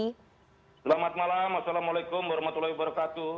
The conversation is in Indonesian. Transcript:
selamat malam assalamualaikum warahmatullahi wabarakatuh